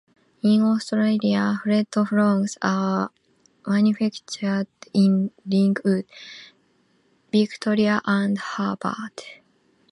In Australia, Freddo Frogs are manufactured in Ringwood, Victoria and Hobart.